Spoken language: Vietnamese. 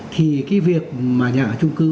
thì cái việc mà nhà ở trung cư